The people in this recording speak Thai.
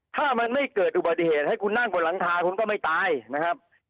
ถ้ามันไม่เกิดอุบัติเหตุให้คุณนั่งบนหลังคาคุณก็ไม่ตายนะครับ